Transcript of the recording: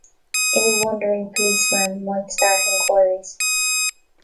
Any wandering policeman might start inquiries.